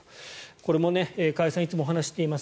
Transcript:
これも加谷さんいつもお話ししています。